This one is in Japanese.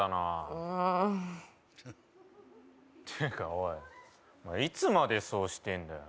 うんていうかおいいつまでそうしてんだよ